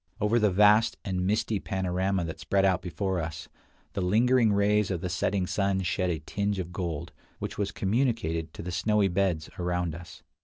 Over the vast and misty panorama that spread out before us, the lingering rays of the setting sun shed a tinge of gold, which was communicated to the snowy beds around us.